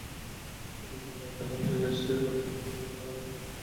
যখন পাত্রে রাখা হয় গ্যাস সে পাত্রের সবটুকু আকার ও আয়তন দখল করে নেয়।